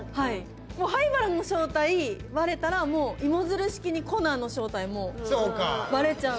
灰原の正体バレたらもう芋づる式にコナンの正体もバレちゃう。